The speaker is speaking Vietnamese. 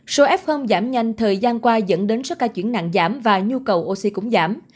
số f giảm nhanh thời gian qua dẫn đến số ca chuyển nặng giảm và nhu cầu oxy cũng giảm